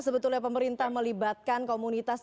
sebetulnya pemerintah melibatkan komunitas